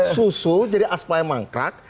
susu jadi aspal mangkrak